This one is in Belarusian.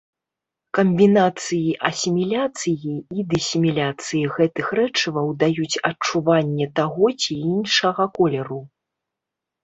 Камбінацыі асіміляцыі і дысіміляцыі гэтых рэчываў даюць адчуванне таго ці іншага колеру.